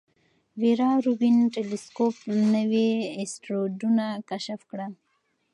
ویرا روبین ټیلسکوپ نوي اسټروېډونه کشف کړل.